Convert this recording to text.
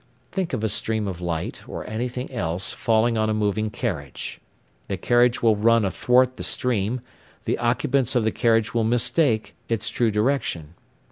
Think of a stream of light or anything else falling on a moving carriage. The carriage will run athwart the stream, the occupants of the carriage will mistake its true direction.